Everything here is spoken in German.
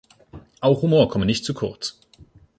Auch Humor komme nicht zu kurz.